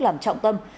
làm trọng tâm